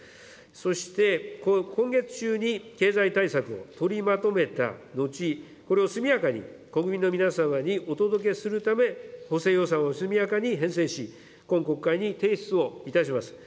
そして今月中に経済対策を取りまとめた後、これを速やかに国民の皆様にお届けするため、補正予算を速やかに編成し、今国会に提出をいたします。